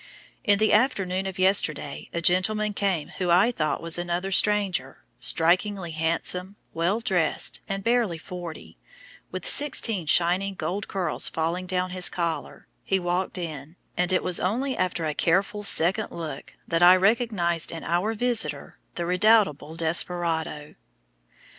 In the afternoon of yesterday a gentleman came who I thought was another stranger, strikingly handsome, well dressed, and barely forty, with sixteen shining gold curls falling down his collar; he walked in, and it was only after a careful second look that I recognized in our visitor the redoubtable "desperado."